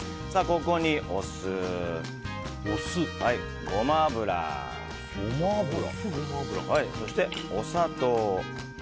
ここにお酢、ゴマ油そして、お砂糖。